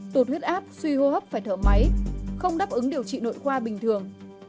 tụt huyết áp suy hô hấp phải thở máy không đáp ứng điều trị nội khoa bình thường